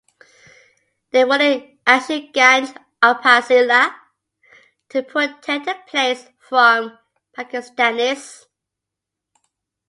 They were in Ashuganj Upazila to protect the place from Pakistanis.